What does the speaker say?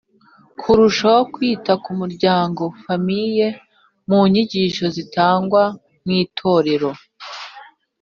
Kurushaho kwita ku miryango Families mu nyigisho zitangwa mu Itorero